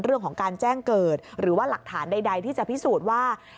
เรื่องของการแจ้งเกิดหรือว่าหลักฐานใดที่จะพิสูจน์ว่า